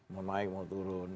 mau naik mau turun